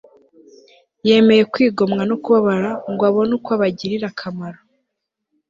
Yemeye kwigomwa no kubabara ngw abon ukw abagirir akamaro